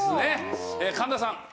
神田さん。